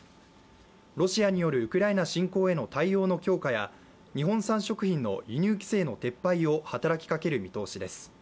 ロシアによるウクライナ侵攻への対応の強化や日本産食品の輸入規制の撤廃を働きかける見通しで。